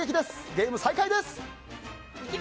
ゲーム再開です。